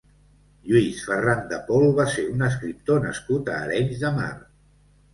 Lluís Ferran de Pol va ser un escriptor nascut a Arenys de Mar.